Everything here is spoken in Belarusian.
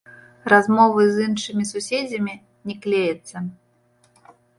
Размовы з іншымі суседзямі не клеяцца.